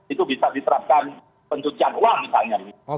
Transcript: itu bisa diterapkan pencucian uang misalnya